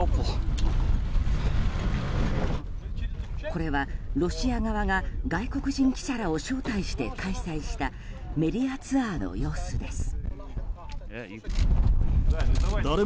これはロシア側が外国人記者らを招待して開催したメディアツアーの様子です。